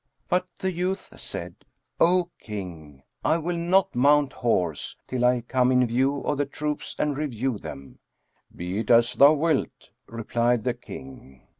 But the youth said, "O King, I will not mount horse, till I come in view of the troops and review them." "Be it as thou wilt," replied the King.